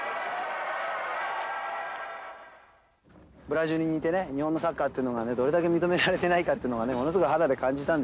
ブラジルにいてね日本のサッカーっていうのがどれだけ認められてないかものすごい肌で感じたんでね。